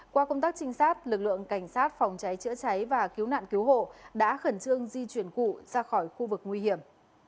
qua công tác trinh sát lực lượng cảnh sát phòng cháy chữa cháy và cứu nạn cứu hộ đã khẩn trương di chuyển cụ ra khỏi khu vực nguy hiểm